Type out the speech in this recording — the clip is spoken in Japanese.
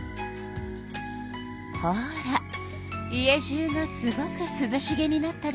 ほら家じゅうがすごくすずしげになったでしょ。